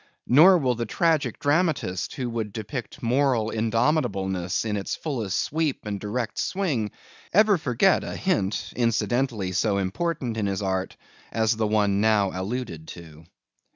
Nor, will the tragic dramatist who would depict mortal indomitableness in its fullest sweep and direct swing, ever forget a hint, incidentally so important in his art, as the one now alluded to.